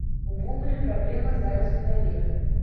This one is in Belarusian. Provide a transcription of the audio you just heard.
Увогуле праблема зараз у даверы.